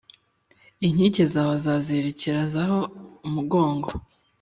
Inkike zawe azazerekezaho umugogo